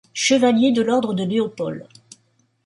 Chevalier de l'Ordre de Léopold.